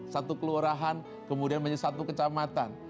satu kelurahan kemudian satu kecamatan